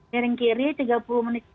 kiring kiri tiga puluh menit